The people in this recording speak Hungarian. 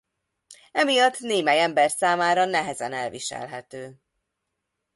Emiatt némely ember számára nehezen elviselhető.